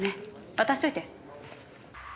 渡しといて。